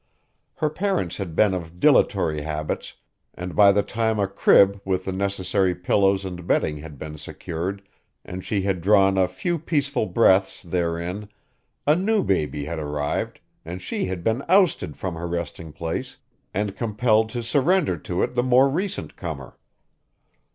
Her parents had been of dilatory habits and by the time a crib with the necessary pillows and bedding had been secured, and she had drawn a few peaceful breaths therein a new baby had arrived and she had been ousted from her resting place and compelled to surrender it to the more recent comer.